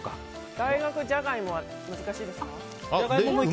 大学ジャガイモは難しいですか？